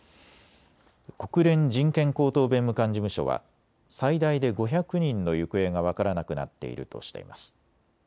国連人権高等弁務官事務所は最大で５００人の行方が分からなくなっているとしています。